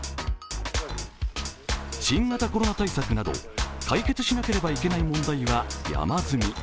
新型コロナ対策など解決しなければいけない問題は山積み。